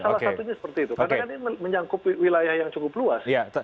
karena ini menyangkut wilayah yang cukup luas